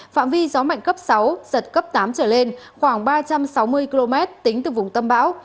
phạm vi gió mạnh cấp sáu giật cấp tám trở lên khoảng ba trăm sáu mươi km tính từ vùng tâm bão